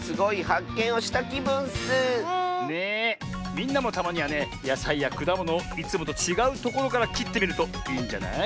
みんなもたまにはねやさいやくだものをいつもとちがうところからきってみるといいんじゃない？